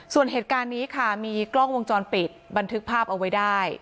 ส่วนเหตุการณ์นี้ค่ะมีกล้องวงจรปิดบันทึกภาพเอาไว้ได้